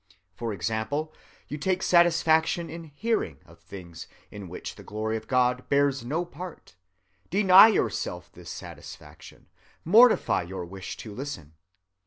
For example, you take satisfaction in hearing of things in which the glory of God bears no part. Deny yourself this satisfaction, mortify your wish to listen.